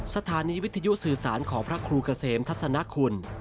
สถานีวิทยุสื่อสารของพระครูเกษมทัศนคุณ